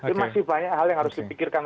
itu masih banyak hal yang harus dipikirkan